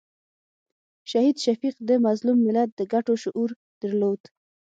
شهید شفیق د مظلوم ملت د ګټو شعور درلود.